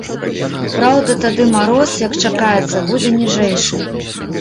Праўда, тады мароз, як чакаецца, будзе ніжэйшы.